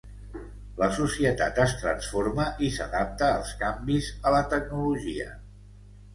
La societat es transforma i s'adapta als canvis a la tecnologia.